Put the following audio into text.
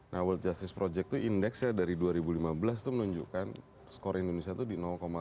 nah world justice project itu indeksnya dari dua ribu lima belas itu menunjukkan skor indonesia itu di lima